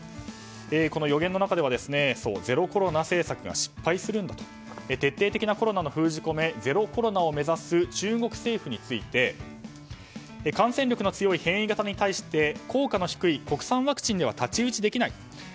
この予言の中ではゼロコロナ政策が失敗するんだと徹底的なコロナの封じ込めゼロコロナを目指す中国政府について、感染力の強い変異株に対して効果の低い国産ワクチンでは太刀打ちできない。